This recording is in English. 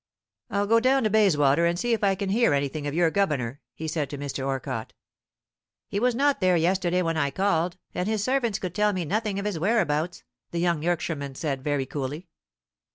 "I'll go down to Bayswater, and see if I can hear anything of your governor," he said to Mr. Orcott. "He was not there yesterday when I called, and his servants could tell me nothing of his whereabouts," the young Yorkshireman said very coolly.